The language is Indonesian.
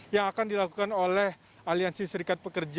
yang akan dilakukan oleh aliansi serikat pekerja